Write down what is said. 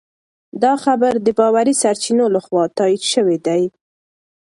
دا خبر د باوري سرچینو لخوا تایید شوی دی.